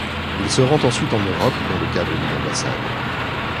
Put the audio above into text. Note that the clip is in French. Il se rend ensuite en Europe dans le cadre d'une ambassade.